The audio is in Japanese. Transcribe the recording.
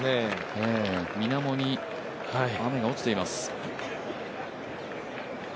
みなもに雨が落ちています。